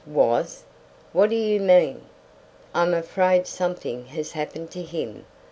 "Was? What do you mean?" "I'm afraid something has happened to him.